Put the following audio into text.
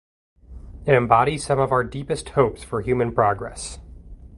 It embodies some of our deepest hopes for human progress.